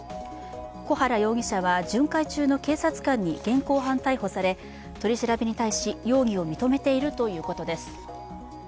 小原容疑者は巡回中の警察官に現行犯逮捕され、取り調べに対し容疑を認めているということです。